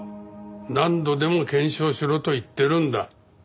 何度でも検証しろと言ってるんだ。